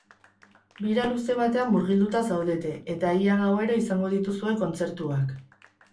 Bira luze batean murgilduta zaudete, eta ia gauero izango dituzue kontzertuak.